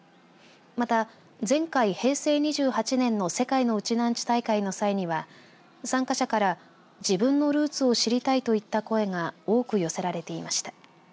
また前回、平成２８年の世界のウチナーンチュ大会の際には参加者から自分のルーツを知りたいといった声が多く寄せられていました。